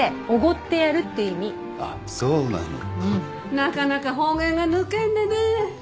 なかなか方言が抜けんでね。